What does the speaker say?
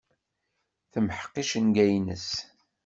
Temḥeq icenga-nnes.